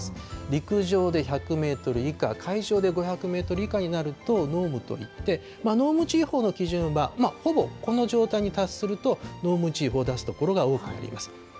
陸上で１００メートル以下、海上で５００メートル以下になると濃霧といって、濃霧注意報の基準は、ほぼこの状態に達すると濃霧注意報を出す所が多くなります。